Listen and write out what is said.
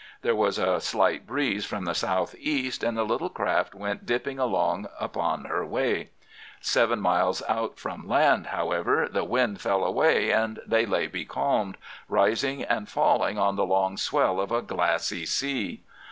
There was a slight breeze from the south east, and the little craft went dipping along upon her way. Seven miles from land, however, the wind fell away and they lay becalmed, rising and falling on the long swell of a glassy sea.